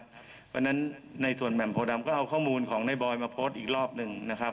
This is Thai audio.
เพราะฉะนั้นในส่วนแหม่มโพดำก็เอาข้อมูลของในบอยมาโพสต์อีกรอบหนึ่งนะครับ